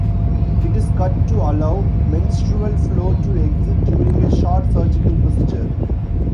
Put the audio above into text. It is cut to allow menstrual flow to exit during a short surgical procedure.